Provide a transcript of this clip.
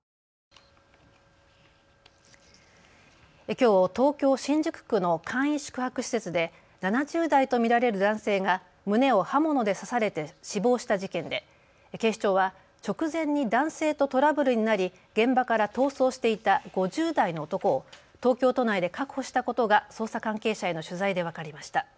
きょう、東京新宿区の簡易宿泊施設で７０代と見られる男性が胸を刃物で刺されて死亡した事件で警視庁は直前に男性とトラブルになり現場から逃走していた５０代の男を東京都内で確保したことが捜査関係者への取材で分かりました。